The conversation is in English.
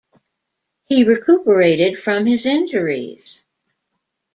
He recuperated from his injuries.